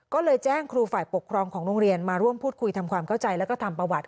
ก็เลยแจ้งครูฝ่ายปกครองของโรงเรียนมาร่วมพูดคุยทำความเข้าใจแล้วก็ทำประวัติ